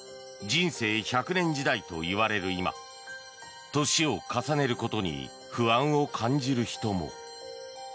人生１００年時代といわれる今年を重ねることに不安を感じる人も。